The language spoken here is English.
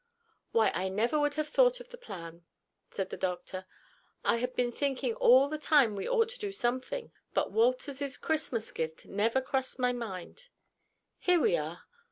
"Why I never would have thought of the plan," said the doctor. "I had been thinking all the time we ought to do something, but Wolters's Christmas gift never crossed my mind. Here we are.